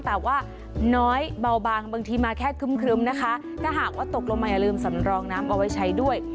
แต่ว่าน้อยเบาบางบางทีมาแค่ครึ้มนะคะถ้าหากว่าตกลงมาอย่าลืมสำรองน้ำเอาไว้ใช้ด้วย